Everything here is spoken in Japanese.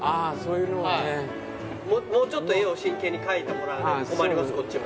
もうちょっと絵を真剣に描いてもらわないと困りますこっちも。